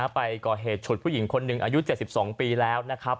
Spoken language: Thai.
ไปก่อเหตุฉุดผู้หญิงคนหนึ่งอายุ๗๒ปีแล้วนะครับ